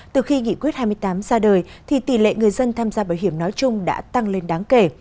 từ khi nghị quyết hai mươi tám ra đời thì tỷ lệ người dân tham gia bảo hiểm nói chung đã tăng lên đáng kể